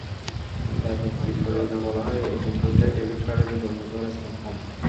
এএফপির প্রতিবেদনে বলা হয়, এটিএম বুথে ডেবিট কার্ডের বিকল্প হতে পারে স্মার্টফোন।